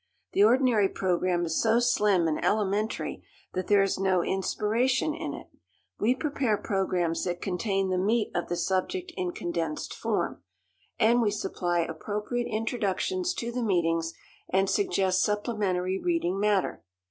The ordinary program is so slim and elementary that there is no inspiration in it. We prepare programs that contain the meat of the subject in condensed form, and we supply appropriate introductions to the meetings, and suggest supplementary reading matter.